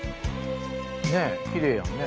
ねえきれいやねえ。